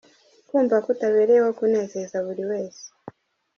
Kumva ko utabereyeho kunezeza buri wese.